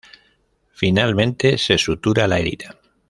Finalmente se sutura la herida.